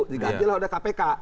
dikantil oleh kpk